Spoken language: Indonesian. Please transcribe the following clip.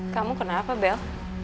kamu kenapa bel